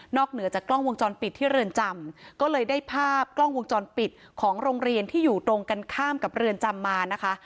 เหนือจากกล้องวงจรปิดที่เรือนจำก็เลยได้ภาพกล้องวงจรปิดของโรงเรียนที่อยู่ตรงกันข้ามกับเรือนจำมานะคะ